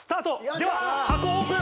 では箱オープン！